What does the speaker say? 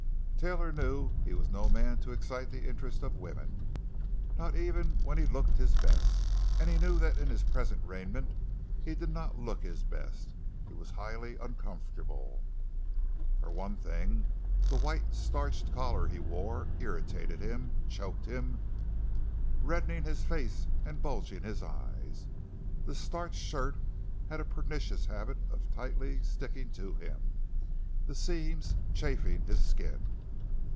Taylor knew he was no man to excite the interest of women, not even when he looked his best. And he knew that in his present raiment he did not look his best. He was highly uncomfortable. For one thing, the white, starched collar he wore irritated him, choked him, reddening his face and bulging his eyes. The starched shirt had a pernicious habit of tightly sticking to him, the seams chafing his skin.